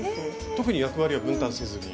特に役割は分担せずに。